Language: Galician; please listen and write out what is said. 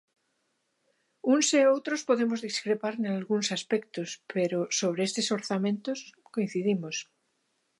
Uns e outros podemos discrepar nalgúns aspectos, pero sobre estes orzamentos coincidimos.